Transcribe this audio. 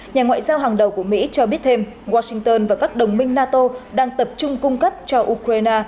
nhà ngoại giao hàng đầu của mỹ cho biết thêm washington và các đồng minh nato đang tập trung cung cấp cho ukraine